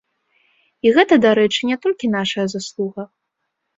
І гэта, дарэчы, не толькі нашая заслуга.